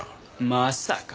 まさか。